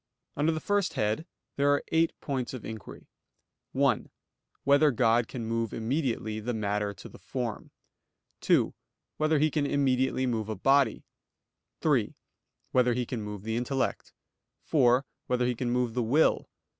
Under the first head there are eight points of inquiry: (1) Whether God can move immediately the matter to the form? (2) Whether He can immediately move a body? (3) Whether He can move the intellect? (4) Whether He can move the will?